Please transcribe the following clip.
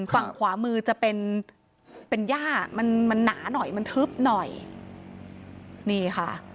ฝั่งขวามือจะเป็นเป็นย่ามันมันหนาหน่อยมันทึบหน่อยนี่ค่ะ